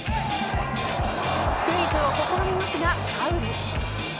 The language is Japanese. スクイズを試みますがファウル。